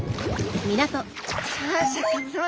さあシャーク香音さま